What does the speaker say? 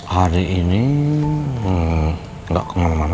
hari ini tidak kemana mana